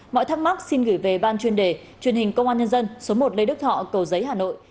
mọi thắc mắc xin gửi về ban chuyên đề truyền hình công an nhân dân số một lê đức thọ cầu giấy hà nội